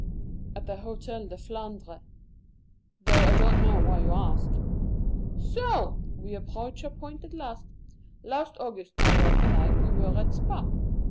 "At the Hôtel de Flandre though I don't know why you ask." "So! We approach a point at last. Last August, my wife and I, we were at Spa.